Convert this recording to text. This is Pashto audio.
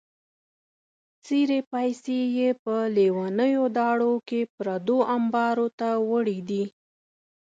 څېرې پایڅې یې په لیونیو داړو کې پردو امبارو ته وړې دي.